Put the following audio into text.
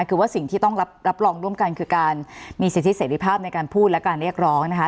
คือว่าสิ่งที่ต้องรับรองร่วมกันคือการมีสิทธิเสรีภาพในการพูดและการเรียกร้องนะคะ